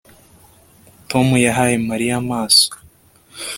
Tom yahaye Mariya amaso